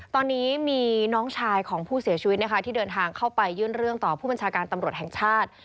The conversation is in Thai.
ตอนนี้มีน้องชายของผู้เสียชีวิตนะคะที่เดินทางเข้าไปยื่นเรื่องต่อผู้บัญชาการตำรวจแห่งชาติ